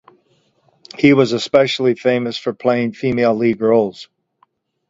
He was especially famous for playing female lead roles.